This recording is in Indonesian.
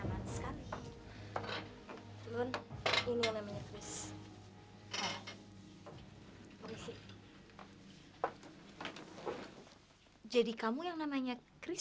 mau sama aku nunggu musikannya ya